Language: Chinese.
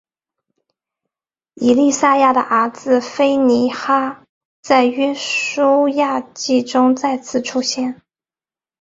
以利亚撒的儿子非尼哈在约书亚记中再次出现。